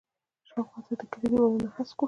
شاوخوا ته د کلي دیوالونه هسک وو.